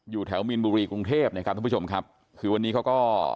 แถวมีนบุรีกรุงเทพนะครับท่านผู้ชมครับคือวันนี้เขาก็